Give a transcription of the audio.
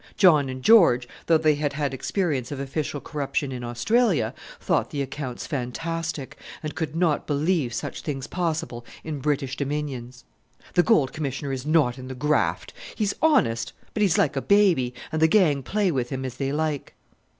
John and George, though they had had experience of official corruption in Australia, thought the accounts fantastic, and could not believe such things possible in British dominions. "The Gold Commissioner is not in the graft; he's honest but he's like a baby, and the gang play with him as they like."